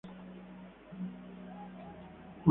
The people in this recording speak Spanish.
Hoy por fin aclarado.